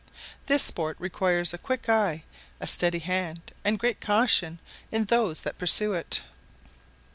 This sport requires a quick eye, a steady hand, and great caution in those that pursue it.